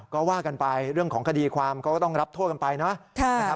ก็ว่ากันไปเรื่องของคดีความก็ต้องรับโทษกันไปนะครับ